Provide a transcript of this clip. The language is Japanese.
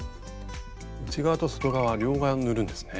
内側と外側両側塗るんですね。